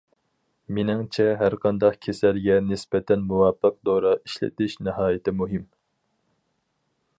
مېنىڭچە ھەرقانداق كېسەلگە نىسبەتەن مۇۋاپىق دورا ئىشلىتىش ناھايىتى مۇھىم.